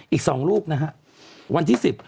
อีก๒ลูกวันที่๑๐